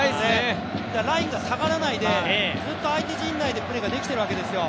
ラインが下がらないでずっと相手陣内でプレーができているわけですよ。